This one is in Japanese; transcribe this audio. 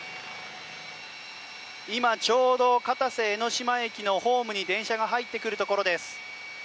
今、ちょうど片瀬江ノ島駅のホームに電車が入ってくるところです。